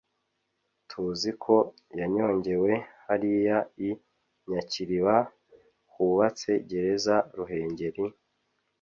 Tuzi ko yanyongewe hariya i Nyakiriba hubatse Gereza Ruhengeri,